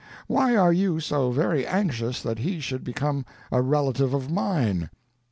why are you so very anxious that he should become a relative of mine?